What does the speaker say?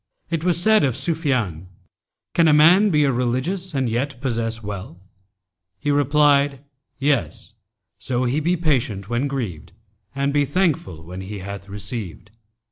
[FN#284] It was said of Sufyan,[FN#285] 'Can a man be a religious and yet possess wealth?' He replied, 'Yes, so he be patient when grieved and be thankful when he hath received.'